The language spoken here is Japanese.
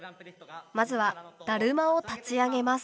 まずはだるまを立ち上げます。